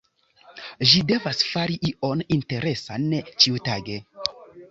Ĝi devas fari ion interesan ĉiutage.